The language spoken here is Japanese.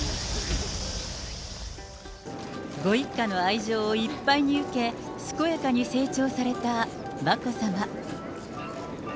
ご一家の愛情をいっぱいに受け、すこやかに成長された眞子さま。